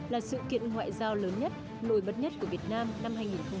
là sự kiện ngoại giao lớn nhất nổi bật nhất của việt nam năm hai nghìn một mươi tám